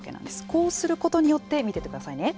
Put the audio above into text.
こうすることによって見てください。